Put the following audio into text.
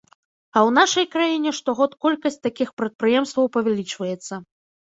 А ў нашай краіне штогод колькасць такіх прадпрыемстваў павялічваецца.